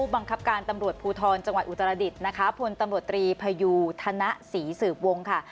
บังคับการตำรวจภูทรจังหวัดอุตรดิษฐ์นะคะพลตำรวจตรีพยูธนศรีสืบวงค่ะ